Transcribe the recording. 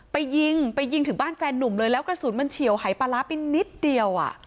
ไปยิงไปยิงถึงบ้านแฟนนุ่มเลยแล้วกระสุนมันเฉียวหายปลาร้าไปนิดเดียวอ่ะ